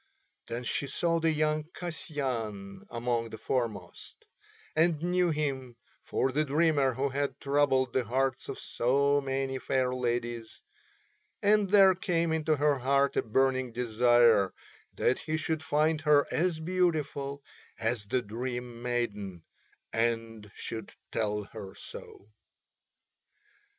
Then she saw the young Kasyan among the foremost, and knew him for the dreamer who had troubled the hearts of so many fair ladies; and there came into her heart a burning desire that he should find her as beautiful as the Dream Maiden and should tell her so.